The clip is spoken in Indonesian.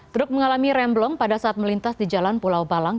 truk mengalami remblong pada saat melintas di jalan pulau balang